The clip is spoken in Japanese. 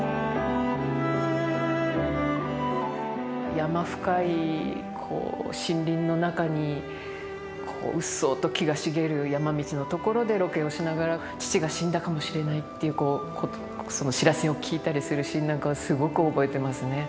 山深い森林の中にこううっそうと木が茂る山道の所でロケをしながら父が死んだかもしれないっていうその知らせを聞いたりするシーンなんかはすごく覚えてますね。